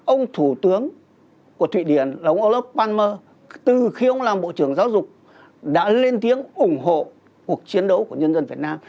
ông thủ tướng của thụy điển ông olof palmmer từ khi ông làm bộ trưởng giáo dục đã lên tiếng ủng hộ cuộc chiến đấu của nhân dân việt nam